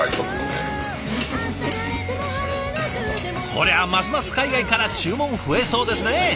こりゃますます海外から注文増えそうですね！